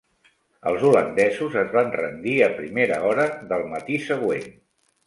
Els holandesos es van rendir a primera hora del matí següent.